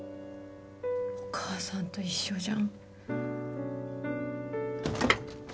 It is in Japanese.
お母さんと一緒じゃん。